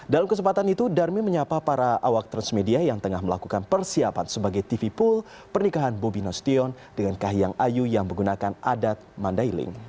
dalam kesempatan itu darmin menyapa para awak transmedia yang tengah melakukan persiapan sebagai tvpool pernikahan bobi nostion dengan kayang ayu yang menggunakan adat mandailing